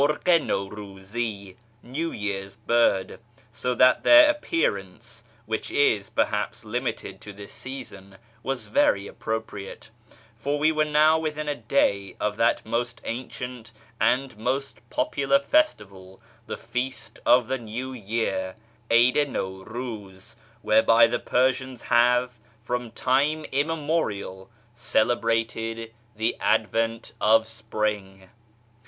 rfih i Nmvruzi {" New Year's Bird "), so that their appearance (which is, perhaps, limited to this season) was very appropriate ; for we were now within a day of that most ancient and most popular festival, the feast of the New Year ( Id i Nawruz), whereby the Persians have, from time immemorial, celebrated the advent of spring.